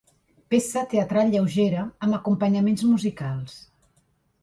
Peça teatral lleugera amb acompanyaments musicals.